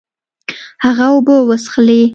هغه اوبه وڅښلې.